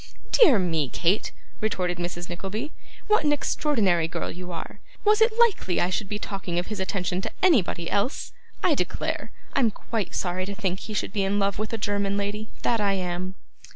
'Dear me, Kate,' retorted Mrs. Nickleby, 'what an extraordinary girl you are! Was it likely I should be talking of his attention to anybody else? I declare I'm quite sorry to think he should be in love with a German lady, that I am.